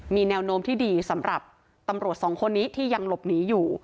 มีแนวโน้มที่ดีสำหรับตำรวจสองคนนี้ที่ยังหลบหนีอยู่